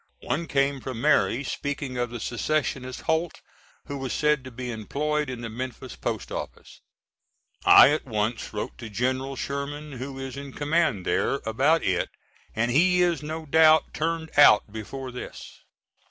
One came from Mary speaking of the secessionist Holt who was said to be employed in the Memphis post office. I at once wrote to General Sherman who is in command there about it and he is no doubt turned out before this.